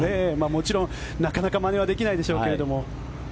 もちろん、なかなかまねはできないでしょうけども。